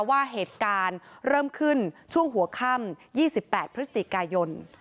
ว่าเหตุการณ์เริ่มขึ้นช่วงหัวค่ำ๒๘พฤศจิกายน